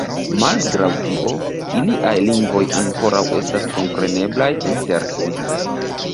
Malgraŭ tio, iliaj lingvoj ankoraŭ estas kompreneblaj inter si.